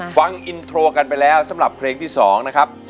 ฟังอินโทรกันไปแล้วสำหรับเพลงที่๒นะครับ